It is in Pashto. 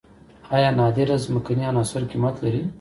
آیا نادره ځمکنۍ عناصر قیمت لري؟